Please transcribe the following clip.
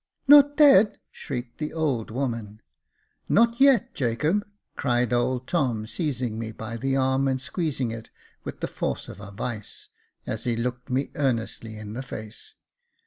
Not dead !" shrieked the old woman. " Not yet, Jacob ;" cried old Tom, seizing me by the arm, and squeezing it with the force of a vice, as he looked me earnestly in the face.